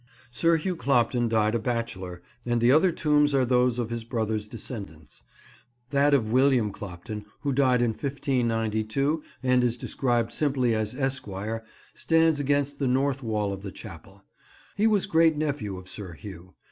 Sir Hugh Clopton died a bachelor, and the other tombs are those of his brother's descendants. That of William Clopton, who died in 1592 and is described simply as "Esquire," stands against the north wall of the Chapel. He was great nephew of Sir Hugh.